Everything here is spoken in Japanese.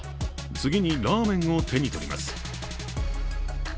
次に、ラーメンを手に取ります。